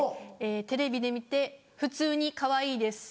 テレビで見て普通にかわいいです。